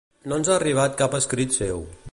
No ens ha arribat cap escrit seu.